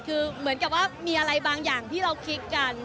คือเหมือนกับว่ามีอะไรบางอย่างที่เราคิดกัน